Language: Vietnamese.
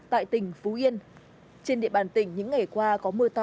tại tỉnh phú yên trên địa bàn tỉnh những ngày qua có mưa to